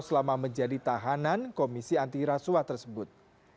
selama menjadi tahanan komisi antiraswa tersebut